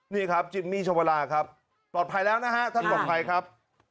นี่ครับจิมมี่ชวราครับปลอดภัยแล้วนะฮะท่านปลอดภัยครับ